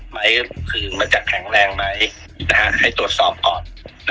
มันจะแข็งแรงไหมให้ตรวจซอมก่อน